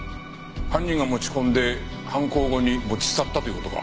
犯人が持ち込んで犯行後に持ち去ったという事か？